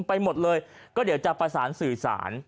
ไปหมดเลยก็เดี๋ยวจะประสานสื่อสาร